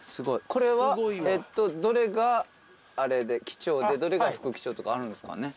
これはどれが機長でどれが副機長とかあるんですかね。